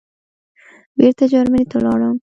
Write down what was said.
بېرته جرمني ته ولاړم.